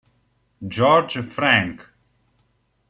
Georg Frank